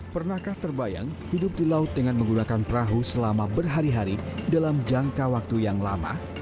pernahkah terbayang hidup di laut dengan menggunakan perahu selama berhari hari dalam jangka waktu yang lama